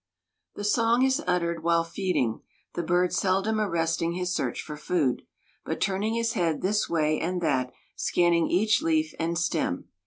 The song is uttered while feeding, the bird seldom arresting his search for food, but turning his head this way and that scanning each leaf and stem.